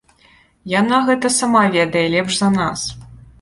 Яна гэта сама ведае лепш за нас.